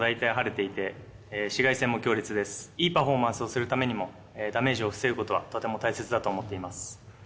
いいパフォーマンスをするためにも、ダメージを防ぐことはとても大切だと思っています。